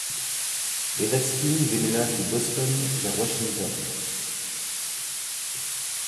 Les Redskins déménagent de Boston vers Washington.